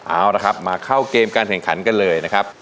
เอาละครับมาเข้าเกมการแข่งขันกันเลยนะครับ